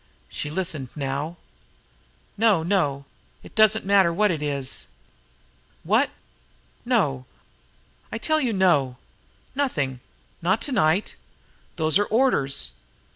She listened now: "No, no; it does not matter what it is! "What?...No! I tell you, no! Nothing! Not to night! Those are the orders....